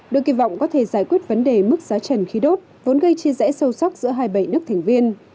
được kỳ vọng có thể giải quyết vấn đề mức giá trần khí đốt vốn gây chia rẽ sâu sắc giữa hai mươi bảy nước thành viên